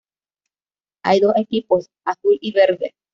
Hay dos equipos: azul y verde.